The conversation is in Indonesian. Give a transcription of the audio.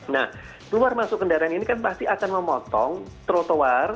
nah keluar masuk kendaraan ini kan pasti akan memotong trotoar